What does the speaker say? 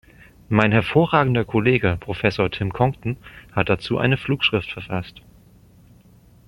Mein hervorragender Kollege, Professor Tim Congdon, hat dazu eine Flugschrift verfasst.